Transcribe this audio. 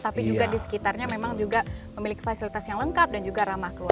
tapi juga di sekitarnya memang juga memiliki fasilitas yang lengkap dan juga ramah keluarga